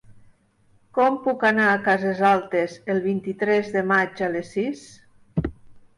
Com puc anar a Cases Altes el vint-i-tres de maig a les sis?